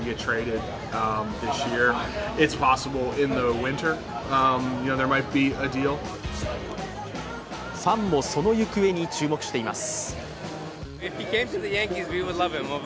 ファンもその行方に注目しています。